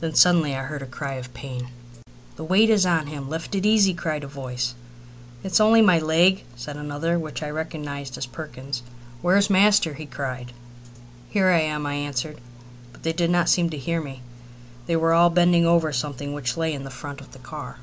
Then suddenly I heard a cry of pain. "The weight is on him. Lift it easy," cried a voice. "It's only my leg!" said another one, which I recognized as Perkins's. "Where's master?" he cried. "Here I am," I answered, but they did not seem to hear me. They were all bending over something which lay in front of the car.